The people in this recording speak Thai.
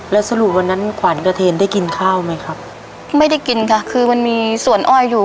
แล้วสรุปวันนั้นขวัญกระเทนได้กินข้าวไหมครับไม่ได้กินค่ะคือมันมีส่วนอ้อยอยู่